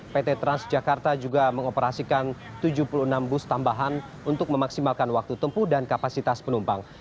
pt transjakarta juga mengoperasikan tujuh puluh enam bus tambahan untuk memaksimalkan waktu tempuh dan kapasitas penumpang